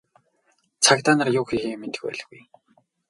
Цагдаа нар юу хийхээ мэдэх байлгүй.